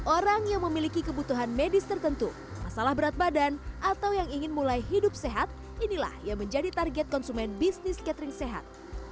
orang yang memiliki kebutuhan medis tertentu masalah berat badan atau yang ingin mulai hidup sehat inilah yang menjadi target konsumen bisnis catering sehat